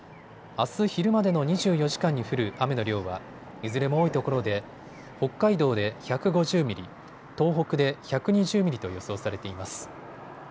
あす昼までの２４時間に降る雨の量はいずれも多いところで北海道で１５０ミリ、東北で１２０ミリと予想されています。